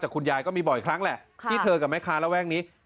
แต่คุณยายก็มีบ่อยครั้งแหละที่เธอกับแม่ค้าระแวกนี้